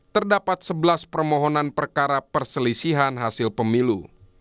terdapat sebelas permohonan perkara perselisihan hasil pemilu